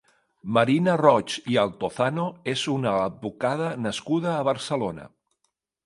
Marina Roig i Altozano és una advocada nascuda a Barcelona.